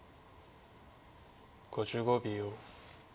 ５５秒。